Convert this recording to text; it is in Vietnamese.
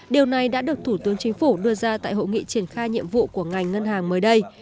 điều này đã được thủ tướng chính phủ đưa ra tại hội nghị triển khai nhiệm vụ của ngành ngân hàng mới đây